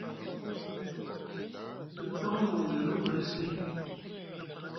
Dif paŋ a wa gay lubani sini.